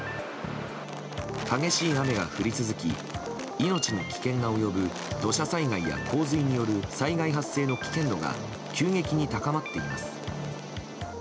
激しい雨が降り続き命に危険が及ぶ土砂災害や洪水による災害発生の危険度が急激に高まっています。